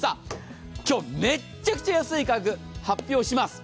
今日、めっちゃくちゃ安い価格、発表します。